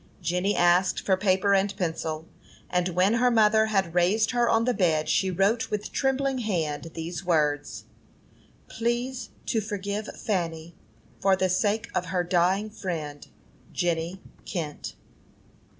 Jenny asked for paper and pencil, and when her mother had raised her on the bed, she wrote, with trembling hand, these words: "_Please to forgive Fanny, for the sake of her dying friend, Jenny Kent.